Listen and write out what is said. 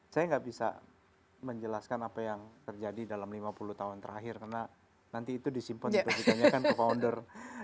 saya nggak bisa menjelaskan apa yang terjadi dalam lima puluh tahun terakhir karena nanti itu disimpan di penyidikannya kan ke founder